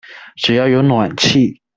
只要有暖氣